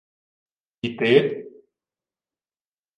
— І ти?